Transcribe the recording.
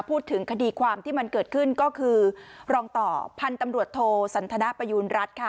พูดถึงคดีความที่มันเกิดขึ้นก็คือรองต่อพันธุ์ตำรวจโทสันทนประยูณรัฐค่ะ